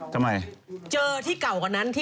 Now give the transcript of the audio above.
ทำไม